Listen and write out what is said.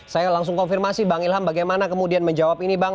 saya langsung konfirmasi bang ilham bagaimana kemudian menjawab ini bang